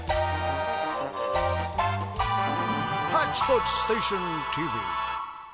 「ハッチポッチステーションＴＶ」。